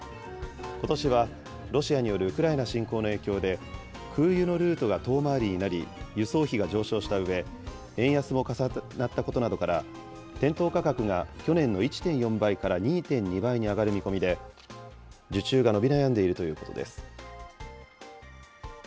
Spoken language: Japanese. ことしはロシアによるウクライナ侵攻の影響で、空輸のルートが遠回りになり、輸送費が上昇したうえ、円安も重なったことなどから、店頭価格が去年の１．４倍から２．２倍に上がる見込みで、受注が伸び悩んでいるということです。